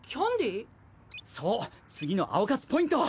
そう次の青活ポイント。